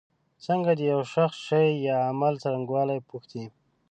څنګه د یو شخص شي یا عمل څرنګوالی پوښتی.